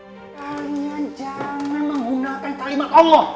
pertanyaan jangan menggunakan kalimat allah